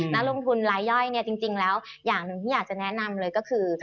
นักลงทุนรายย่อยเนี่ยจริงแล้วอย่างหนึ่งที่อยากจะแนะนำเลยก็คือ